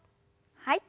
はい。